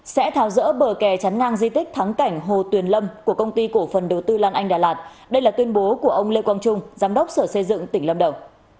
sẽ tháo rỡ bờ kè chắn ngang di tích thắng cảnh hồ tuyền lâm của công ty cổ phần đầu tư lan anh đà lạt đây là tuyên bố của ông lê quang trung giám đốc sở xây dựng tỉnh lâm đồng